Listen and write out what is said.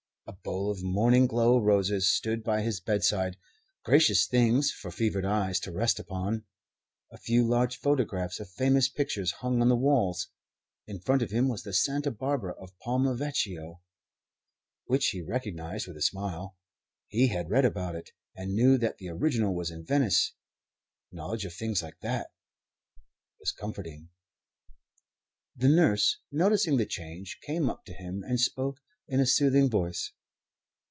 A bowl of Morning Glow roses stood by his bedside, gracious things for fevered eyes to rest upon. A few large photographs of famous pictures hung on the walls. In front of him was the Santa Barbara of Palma Vecchio, which he recognized with a smile. He had read about it, and knew that the original was in Venice. Knowledge of things like that was comforting. The nurse, noticing the change, came up to him and spoke in a soothing voice.